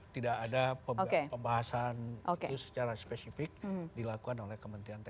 tidak ada pembahasan itu secara spesifik dilakukan oleh kementerian